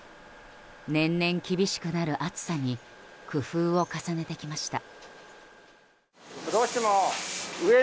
年々厳しくなる暑さに工夫を重ねてきました。